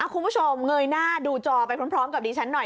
คุณผู้ชมเงยหน้าดูจอไปพร้อมกับดิฉันหน่อย